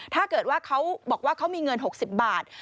ถ้าเกิดว่าเขาบอกว่าเขามีเงิน๖๐บาท